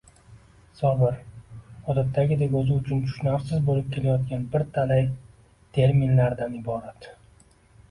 Sobir, odatdagidek, o‘zi uchun tushunarsiz bo‘lib kelayotgan bir talay terminlardan iborat